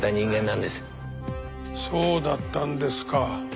そうだったんですか。